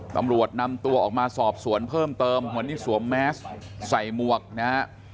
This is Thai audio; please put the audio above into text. ตำรวจนำตัวออกมาสอบสวนเพิ่มเติมวันนี้สวมแมสใส่หมวกนะฮะ